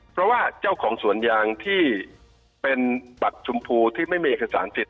เพราะว่าเจ้าของสวนยางที่เป็นบัตรชมพูที่ไม่มีเอกสารสิทธิ